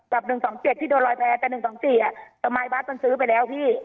กับหนึ่งสองเจ็ดที่โดนรอยแพ้กับหนึ่งสองสี่อ่ะสมายบ๊าซต้นซื้อไปแล้วพี่